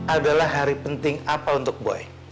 adalah hari penting apa untuk boy